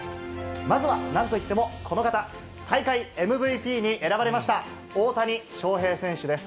まずはなんといってもこの方、大会ＭＶＰに選ばれました大谷翔平選手です。